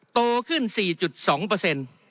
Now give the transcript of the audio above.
โตขึ้น๔๒